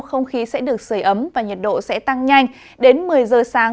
không khí sẽ được sửa ấm và nhiệt độ sẽ tăng nhanh đến một mươi giờ sáng